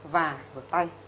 và rửa tay